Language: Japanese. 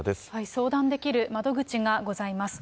相談できる窓口がございます。